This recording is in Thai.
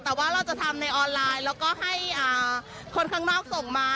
แต่ว่าเราจะทำในออนไลน์แล้วก็ให้คนข้างนอกส่งมา